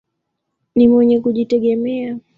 Ni mwenye kujitegemea.